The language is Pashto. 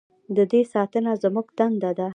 د دې ساتنه زموږ دنده ده